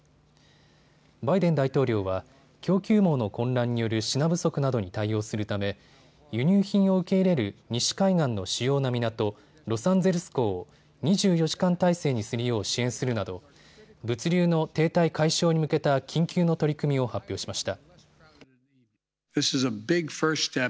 バイデン大統領は供給網の混乱による品不足などに対応するため輸入品を受け入れる西海岸の主要な港、ロサンゼルス港を２４時間態勢にするよう支援するなど、物流の停滞解消に向けた緊急の取り組みを発表しました。